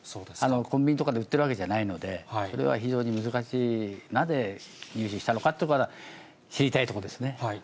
コンビニとかで売ってるわけじゃないので、それは非常に難しい、なぜ入手したのかというところが知りたいところですね。